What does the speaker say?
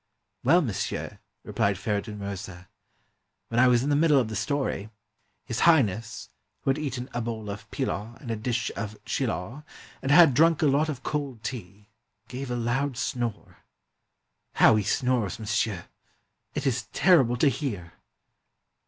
"Well, monsieur," repHed Feridun Mirza, "when I was in the middle of the story, His Highness, who had eaten a bowl of pilaw, and a dish of chilaw, and had drunk a lot of cold tea, gave a loud snore. ... How he snores, monsieur ... it is terrible to hear!"